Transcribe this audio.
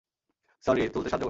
Sorry, তুলতে সাহায্য করুন।